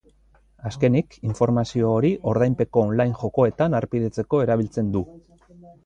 Azkenik, informazio hori ordainpeko online jokoetan harpidetzeko erabiltzen du.